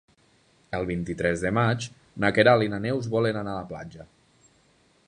El vint-i-tres de maig na Queralt i na Neus volen anar a la platja.